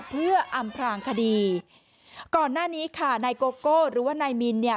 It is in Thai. เพื่ออำพลางคดีก่อนหน้านี้ค่ะนายโกโก้หรือว่านายมินเนี่ย